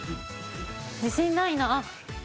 自信ないな。